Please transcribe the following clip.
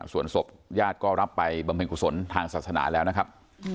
ส่วนสพย่าทก็รับไปบรรพย์แขนกุศลทางศาสนาแล้วนะครับ